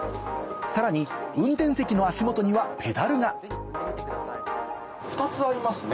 さらに運転席の足元にはペダルが２つありますね。